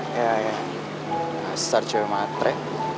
ya ya asar cowok matre